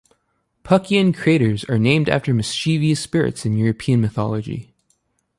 Puckian craters are named after mischievous spirits in European mythology.